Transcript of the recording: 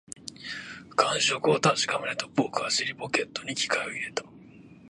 感触を確かめると、僕は尻ポケットに機械を入れた